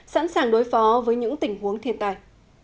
sẵn sàng đối phó với những tình huống thiên tai